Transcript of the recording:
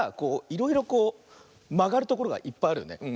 いろいろこうまがるところがいっぱいあるよね。